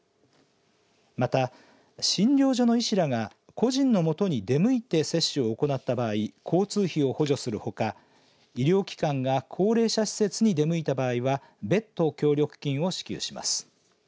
また、診療所の医師らが個人のもとに出向いて接種を行った場合交通費を補助するほか医療機関が高齢者施設に出向いた場合は別途、協力金を支給します。